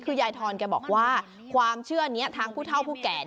คือยายทอนแกบอกว่าความเชื่อนี้ทางผู้เท่าผู้แก่